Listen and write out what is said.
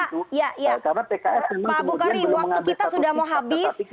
pak bukhari waktu kita sudah mau habis